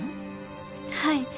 はい。